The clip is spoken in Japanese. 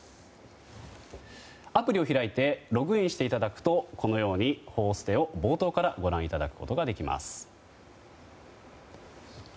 アプリを開いてログインしていただくとこのように「報ステ」を冒頭からご覧いただくことができます。